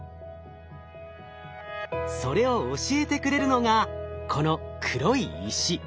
それを教えてくれるのがこの黒い石。